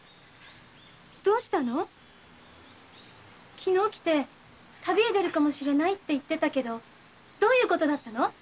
昨日「旅へ出るかもしれない」って言ってたけどどういうこと？